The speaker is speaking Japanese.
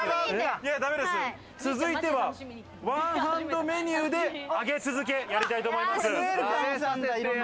続いてはワンハンドメニューで上げ続け、やりたいと思います。